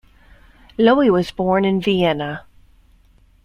Loewy was born in Vienna.